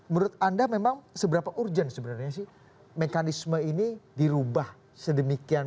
menurut anda memang seberapa urgent sebenarnya sih mekanisme ini dirubah sedemikian